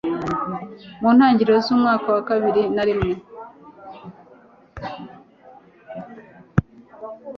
Mu ntangiriro z'umwaka wa bibiri na rimwe